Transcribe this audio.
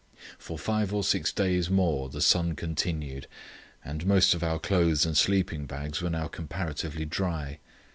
For five or six days more the sun continued, and most of our clothes and sleeping bags were now comparatively dry.